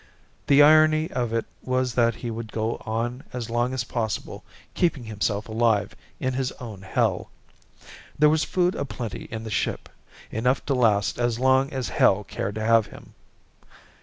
The irony of it was that he would go on as long as possible keeping himself alive in his own hell. There was food aplenty in the ship, enough to last as long as hell cared to have him.